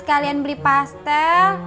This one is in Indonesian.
kalian beli pastel